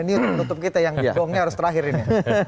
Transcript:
ini untuk menutup kita yang bohongnya harus terakhir ini